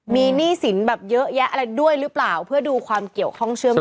มีหนี้สินแบบเยอะแยะอะไรด้วยหรือเปล่าเพื่อดูความเกี่ยวข้องเชื่อม